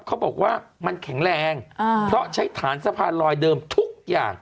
เขาบอกว่ามันแข็งแรงเพราะใช้ฐานสะพานลอยเดิมทุกอย่าง